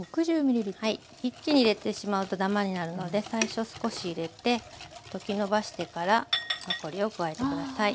一気に入れてしまうとダマになるので最初少し入れて溶きのばしてから残りを加えて下さい。